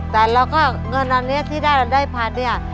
แต่เราก็เงินอันนี้ที่ได้เราได้พันเนี่ย